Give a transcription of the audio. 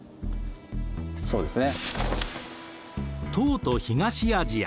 そうですね。